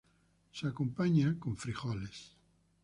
Se acompaña con frijoles.